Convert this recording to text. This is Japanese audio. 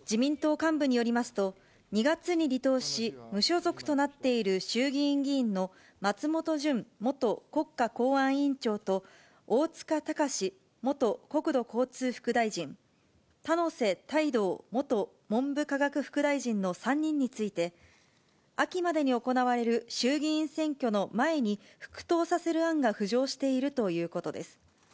自民党幹部によりますと、２月に離党し、無所属となっている衆議院議員の松本純元国家公安委員長と、大塚高司元国土交通副大臣、田野瀬太道元文部科学副大臣の３人について、秋までに行われる衆議院選挙の前に復党させる案が浮上しているということです。